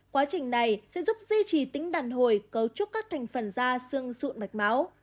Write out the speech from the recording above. quá trình này sẽ giúp duy trì tính đàn hồi cấu trúc các thành phần da xương sụn mạch máu